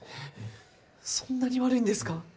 そんなに悪いんですか？